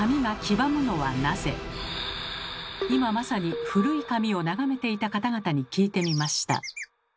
今まさに古い紙を眺めていた方々に聞いてみました。